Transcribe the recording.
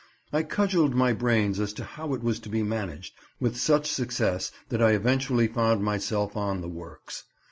I cudgelled my brains as to how it was to be managed, with such success that I eventually found myself on the "works."